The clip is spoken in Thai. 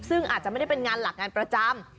ซึ่งอาจจะไม่ได้เป็นงานหลักงานประจำ